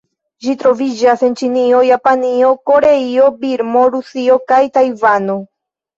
Ĝi troviĝas en Ĉinio, Japanio, Koreio, Birmo, Rusio kaj Tajvano.